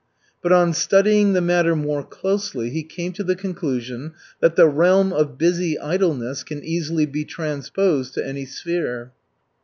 But on studying the matter more closely, he came to the conclusion that the realm of busy idleness can easily be transposed to any sphere.